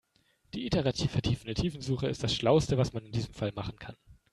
Die iterativ vertiefende Tiefensuche ist das schlauste, was man in diesem Fall machen kann.